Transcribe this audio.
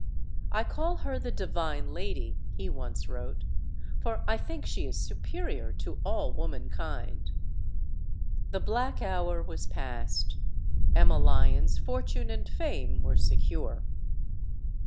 "I call her 'The Divine Lady,' " he once wrote. "For I think she is superior to all womankind." The black hour was past. Emma Lyon's fortune and fame were secure.